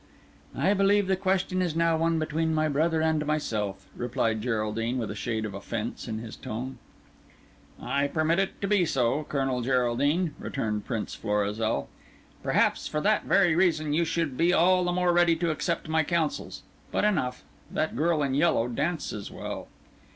"I believe the question is now one between my brother and myself," replied Geraldine, with a shade of offence in his tone. "I permit it to be so, Colonel Geraldine," returned Prince Florizel. "Perhaps, for that very reason, you should be all the more ready to accept my counsels. But enough. That girl in yellow dances well."